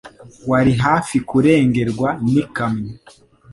Wari hafi kurengerwa n'ikamyo